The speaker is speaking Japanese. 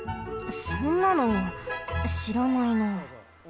そんなのしらないなあ。